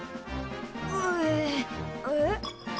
ううえっ？